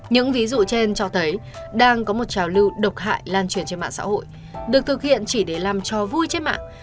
những ví dụ trên cho thấy đang có một trào lưu độc hại lan truyền trên mạng xã hội được thực hiện chỉ để làm trò vui trên mạng